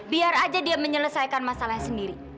biar aja dia menyelesaikan masalahnya sendiri